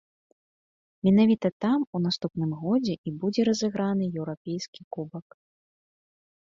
Менавіта там у наступным годзе і будзе разыграны еўрапейскі кубак.